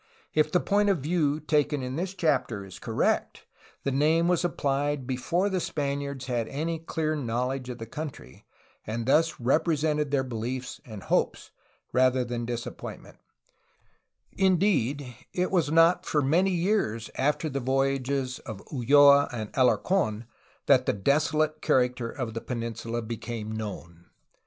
If the point of view taken in this chapter is correct, the name was applied be fore the Spaniards had any clear knowledge of the country, and thus represented their beliefs and hopes rather than dis 68 A HISTORY OF CALIFORNIA appointment; indeed it was not for many years after the voyages of Ulloa and Alarc6n that the desolate character of the peninsula became known.